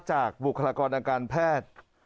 จากบุคลากรอาการแพทย์